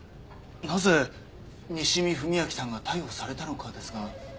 なぜ西見文明さんが逮捕されたのかですが。